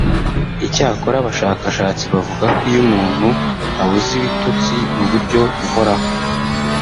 Icyakora abashakashatsi bavuga ko iyo umuntu abuze ibitotsi mu buryo buhoraho